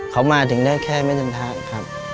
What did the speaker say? เขามาถึงได้แค่ไม่เดินทางครับ